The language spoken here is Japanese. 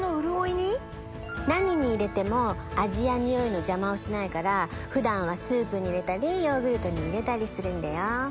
何に入れても味や匂いの邪魔をしないから普段はスープに入れたりヨーグルトに入れたりするんだよ。